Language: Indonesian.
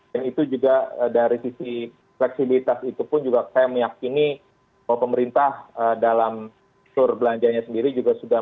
dan itu juga dari sisi fleksibilitas itu pun juga saya meyakini bahwa pemerintah dalam sur belanjanya sendiri juga sudah